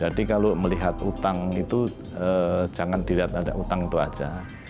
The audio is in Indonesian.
jadi kalau melihat hutang itu jangan dilihat ada hutang itu saja